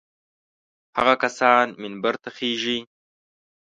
هغه کسان منبر ته خېژي.